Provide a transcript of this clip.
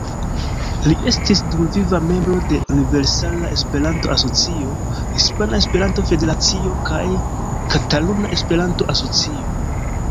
Li estis dumviva membro de Universala Esperanto-Asocio, Hispana Esperanto-Federacio kaj Kataluna Esperanto-Asocio.